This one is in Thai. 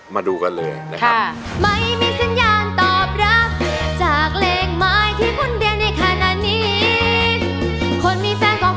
มาดูกันเลยนะครับ